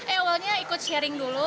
awalnya ikut sharing dulu